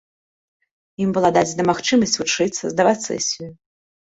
Ім была дадзена магчымасць вучыцца, здаваць сесію.